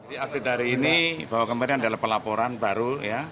update hari ini bahwa kemarin ada pelaporan baru